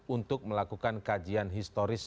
untuk melakukan kajian historis